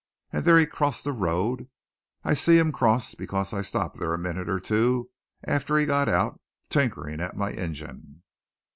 "And there he crossed the road. I see him cross, because I stopped there a minute or two after he'd got out, tinkering at my engine."